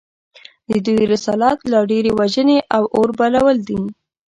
د دوی رسالت لا ډېرې وژنې او اوربلول دي